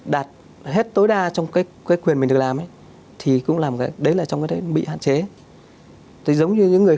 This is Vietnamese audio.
đạt hết tối đa trong cái quyền mình làm thì cũng làm đấy là trong cái bị hạn chế thì giống như người